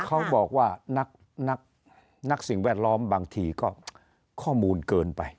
เขาบอกว่านักสิ่งแวดล้อมบางทีก็ข้อมูลเกินไป